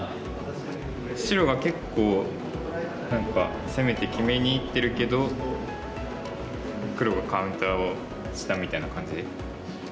白が結構何か攻めて決めにいってるけど黒がカウンターをしたみたいな感じで。